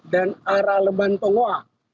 dan arah lemban tongoa